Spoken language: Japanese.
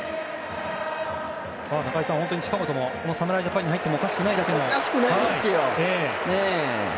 中居さん、近本も侍ジャパンに入ってもおかしくないですよ。